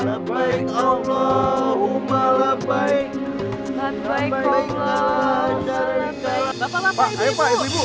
la baik allahuma la baik